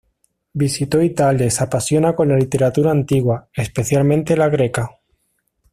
Visitó Italia y se apasiona con la literatura antigua, especialmente la greca.